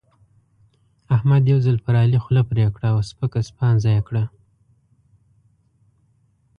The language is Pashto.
احمد یو ځل پر علي خوله پرې کړه او سپک سپاند يې کړ.